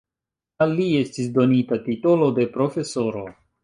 Al li estis donita titolo de profesoro.